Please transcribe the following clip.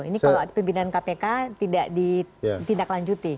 ini kalau pimpinan kpk tidak ditindaklanjuti